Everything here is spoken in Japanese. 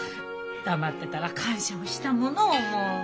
黙ってたら感謝をしたものをもう！